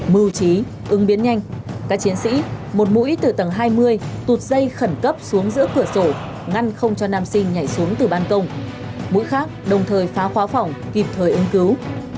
mưu trí ứng biến nhanh các chiến sĩ một mũi từ tầng hai mươi tụt dây khẩn cấp xuống giữa cửa sổ ngăn không cho nam sinh nhảy xuống từ ban công mũi khác đồng thời phá khóa phòng kịp thời ứng cứu